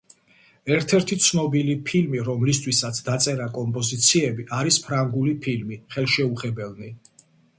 ერთ-ერთი ცნობილი ფილმი, რომლისთვისაც დაწერა კომპოზიციები არის ფრანგული ფილმი „ხელშეუხებელნი“.